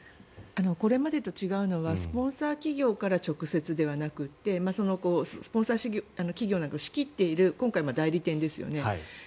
これまでと違うのはスポンサー企業から直接ではなくてスポンサー企業なんかを仕切っている今回は代理店ですよね。